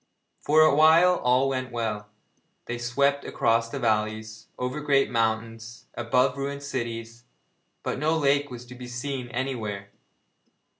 For a while all went well. They swept across valleys, over great mountains, above ruined cities, but no lake was to be seen anywhere.